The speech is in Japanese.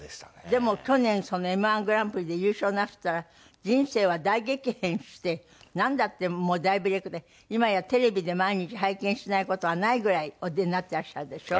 でも去年Ｍ−１グランプリで優勝なすったら人生は大激変してなんだってもう大ブレークで今やテレビで毎日拝見しない事はないぐらいお出になっていらっしゃるでしょ。